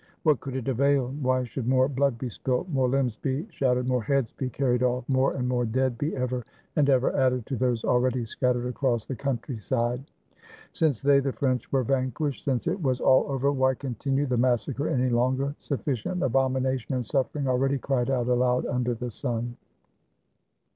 What could it avail, why should more blood be spilt, more limbs be shattered, more heads be carried off, more and more dead be ever and ever added to those already scattered across the country side? Since they, the French, were vanquished, since it was all over, why continue the massacre any longer? Suffi cient abomination and suffering already cried out aloud under the sun.